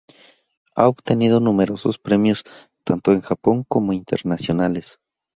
Ha obtenido numerosos premios, tanto en Japón como internacionales.